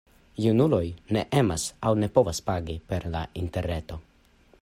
Junuloj ne emas aŭ ne povas pagi per la interreto.